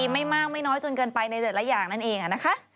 ไม่มากไม่น้อยจนเกินไปในแต่ละอย่างนั่นเองนะคะ